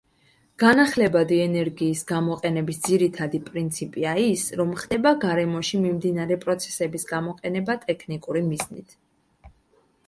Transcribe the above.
განახლებადი ენერგიის გამოყენების ძირითადი პრინციპია ის, რომ ხდება გარემოში მიმდინარე პროცესების გამოყენება ტექნიკური მიზნით.